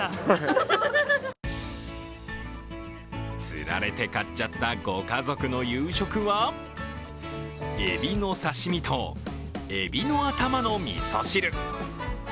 つられて買っちゃったご家族の夕食はエビの刺身とエビの頭のみそ汁。